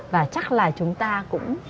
và chắc là chúng ta cũng